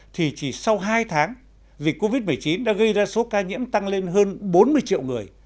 thì chỉ sau hai tháng dịch covid một mươi chín đã gây ra số ca nhiễm tăng lên hơn bốn mươi triệu người